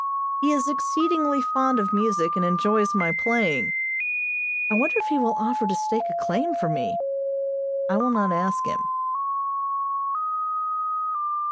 He is exceedingly fond of music, and enjoys my playing. I wonder if he will offer to stake a claim for me! I will not ask him.